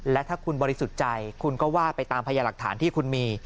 และถ้าคุณบริสุทธิ์ใจคุณก็ว่าไปตามพยาหลักฐานที่คุณมี